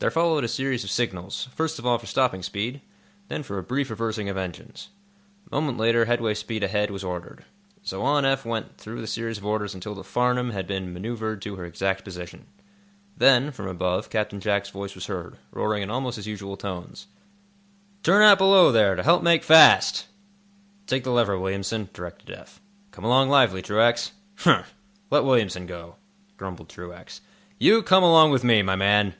There followed a series of signals, first of all for stopping speed, then for a brief reversing of engines. A moment later headway speed ahead was ordered. So on Eph went through the series of orders until the "Farnum" had been manœuvred to her exact position. Then, from above, Captain Jack's voice was heard, roaring in almost his usual tones: "Turn out below, there, to help make fast!" "Take the lever, Williamson," directed Eph. "Come along lively, Truax." "Humph! Let Williamson go," grumbled Truax. "You come along with me, my man!"